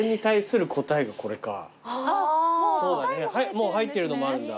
もう入ってるのもあるんだ。